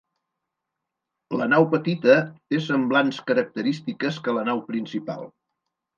La nau petita té semblants característiques que la nau principal.